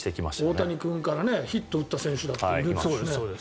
大谷君からヒットを打った選手もいるしね。